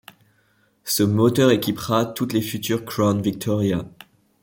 Ce moteur équipera toutes les futures Crown Victoria.